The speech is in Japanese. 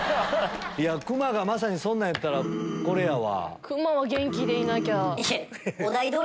クマがまさにそんなんやったらこれやわ。